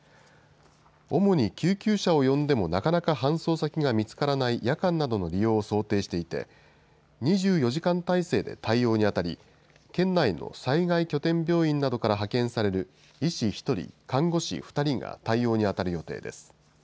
主に救急車を呼んでもなかなか搬送先が見つからない夜間などの利用を想定していて、２４時間態勢で対応に当たり、県内の災害拠点病院などから派遣される医師１人、看護師２人が対応に当たる予定です。